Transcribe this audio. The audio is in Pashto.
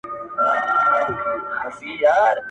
چي تر څو وطن ځنګل وي، د لېوانو حکومت وي -